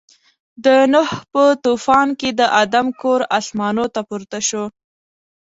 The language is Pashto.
د نوح په طوفان کې د آدم کور اسمانو ته پورته شو.